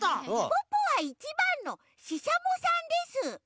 ポッポは１ばんのししゃもさんです。